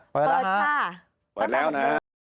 เปิดแล้วค่ะ